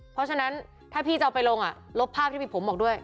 เพราะฉะนั้นถ้าพี่จะเอาไปลงลบภาพที่มีผมบอกด้วย